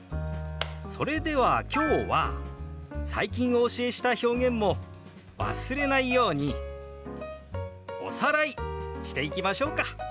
それでは今日は最近お教えした表現も忘れないようにおさらいしていきましょうか。